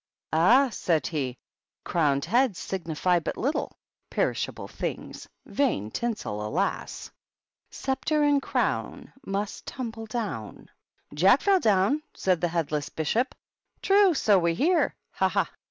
"Ah!" said he, "crowned heads signify but little! Perishable things ! Vain tinsel, alas ! ^Sceptre and crown Must tumble down P "" Jack fell down /" said the headless Bishop. "True, so we hear! Ha, ha!